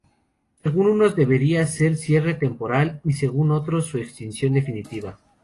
Según unos debiera ser un cierre temporal y según otros su extinción definitiva.